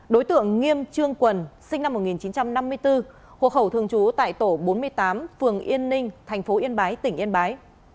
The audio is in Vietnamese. đối tượng nghiêm trương quần sinh năm một nghìn chín trăm năm mươi bốn hộ khẩu thường trú tại tổ bốn mươi tám phường yên ninh thành phố yên bái tỉnh yên bái